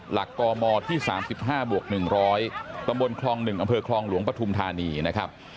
หลักกมที่๓๕บวก๑๐๐ตำบลคลอง๑อำเภอคลองหลวงปฐุมธานีนะครับ